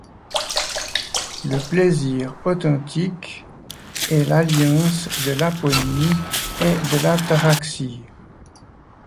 Le plaisir authentique est l'alliance de l'aponie et de l'ataraxie.